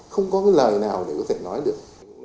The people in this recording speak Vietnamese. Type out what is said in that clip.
không có cái lời nào để có thể nói được